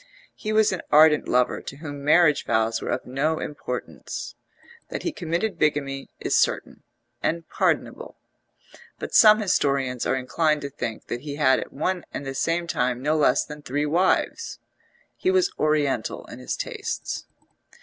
He was an ardent lover to whom marriage vows were of no importance; that he committed bigamy is certain and pardonable, but some historians are inclined to think that he had at one and the same time no less than three wives. He was oriental in his tastes.